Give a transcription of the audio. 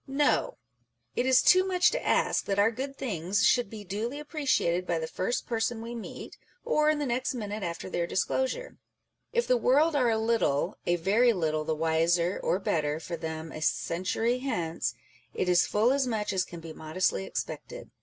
No : it is too much to ask that our good things should be duly appreciated by the first person we meet, or in the next minute after their disclosure ; if the world are a little, a very little, the wiser or better for them a century hence, it is full as much as can be modestly expected